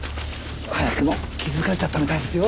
早くも気づかれちゃったみたいですよ。